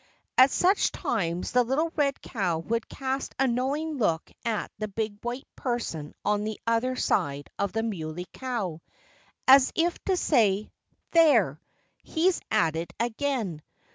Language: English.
At such times the little red cow would cast a knowing look at the big white person on the other side of the Muley Cow, as if to say, "There! He's at it again!